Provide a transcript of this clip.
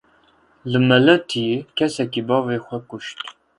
Li Meletiyê kesekî bavê xwe kuşt.